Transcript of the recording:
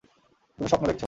তুমি স্বপ্ন দেখছ।